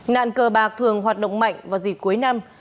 nạn cờ bạc thường hoạt động mạnh vào dịp cuối năm